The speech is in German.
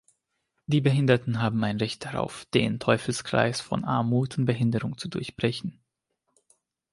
Die Behinderten haben ein Recht darauf, den Teufelskreis von Armut und Behinderung zu durchbrechen.